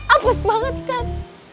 apus banget kan